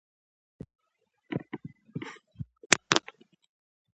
احمد ډېر ژر غلی شو.